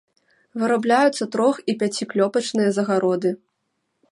Вырабляюцца трох- і пяціклёпачныя загароды.